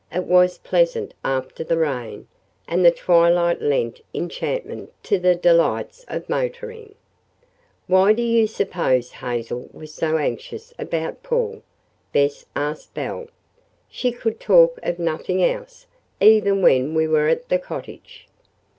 It was pleasant after the rain, and the twilight lent enchantment to the delights of motoring. "Why do you suppose Hazel was so anxious about Paul?" Bess asked Belle. "She could talk of nothing else, even when we were at the cottage."